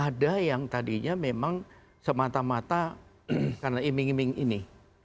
ada yang tadinya memang semata mata karena iming iming ini